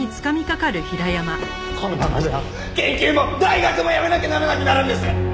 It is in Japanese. このままじゃ研究も大学も辞めなきゃならなくなるんです。